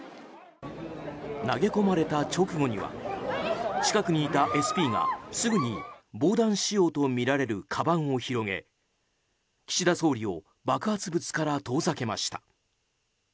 投げ込まれた直後には近くにいたＳＰがすぐに防弾仕様とみられるかばんを広げ岸田総理を爆発物から遠ざけました。